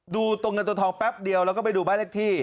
ดูตัวเงินตัวทองแป๊บเดียวแล้วก็ไปดูบ้านเลขที่